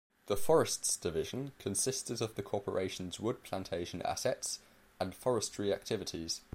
The Forests Division consisted of the corporation's wood plantation assets and forestry activities.